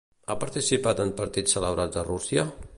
Ha participat en partits celebrats a Rússia?